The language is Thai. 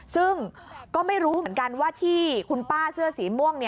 ซึ่งก็ไม่รู้เหมือนกันว่าที่คุณป้าเสื้อสีม่วง